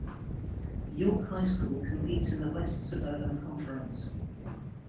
York High School competes in the West Suburban Conference.